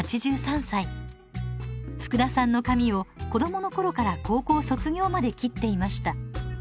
福田さんの髪を子供の頃から高校卒業まで切っていました